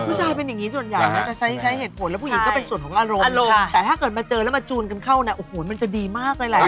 ผู้ชายเป็นอย่างนี้ส่วนใหญ่นะจะใช้เหตุผลแล้วผู้หญิงก็เป็นส่วนของอารมณ์แต่ถ้าเกิดมาเจอแล้วมาจูนกันเข้านะโอ้โหมันจะดีมากเลยแหละ